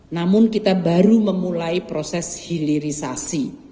namun kita baru memulai proses hilirisasi